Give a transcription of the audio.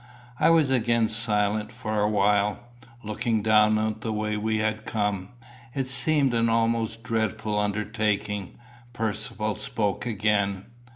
I was again silent for a while. Looking down on the way we had come, it seemed an almost dreadful undertaking. Percivale spoke again.